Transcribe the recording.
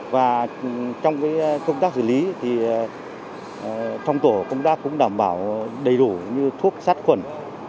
và trong công tác xử lý thì trong tổ công tác cũng đảm bảo đầy đủ như thuốc sát khuẩn